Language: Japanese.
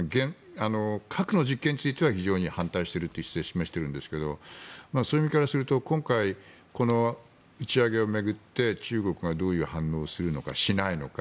核の実験については非常に反対しているという姿勢を示しているんですがそういう意味からすると今回この打ち上げを巡って中国がどういう反応をするのかしないのか。